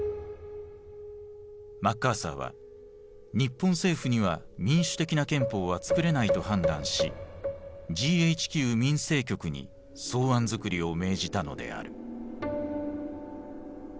マッカーサーは日本政府には民主的な憲法はつくれないと判断しＧＨＱ民生局に草案づくりを命じたのである。